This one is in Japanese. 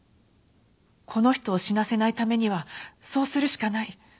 この人を死なせないためにはそうするしかない。